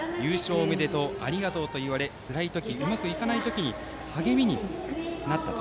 おめでとうありがとうと言われつらい時、うまくいかない時に励みになったと。